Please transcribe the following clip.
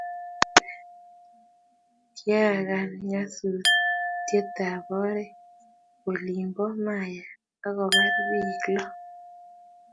kiyaaka nyasutietab oret olin bo Maya akubar biik lo